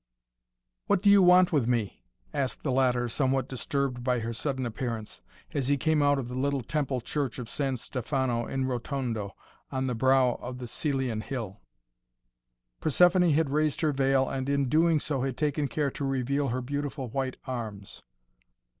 "What do you want with me?" asked the latter somewhat disturbed by her sudden appearance, as he came out of the little temple church of San Stefano in Rotondo on the brow of the Cælian Hill. Persephoné had raised her veil and in doing so had taken care to reveal her beautiful white arms.